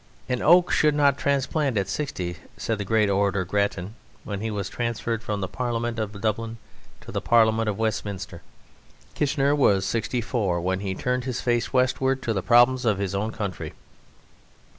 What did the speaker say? "An oak should not be transplanted at sixty," said the great orator Grattan when he was transferred from the Parliament of Dublin to the Parliament of Westminster. Kitchener was sixty four when he turned his face westward to the problem of his own country.